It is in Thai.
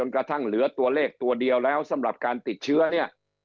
กระทั่งเหลือตัวเลขตัวเดียวแล้วสำหรับการติดเชื้อเนี่ย